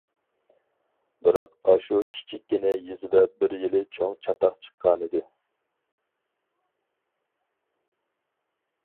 بىراق ئاشۇ كىچىككىنە يېزىدا بىر يىلى چوڭ چاتاق چىققانىدى.